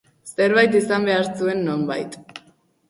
Zerbait izan behar zuen nonbait.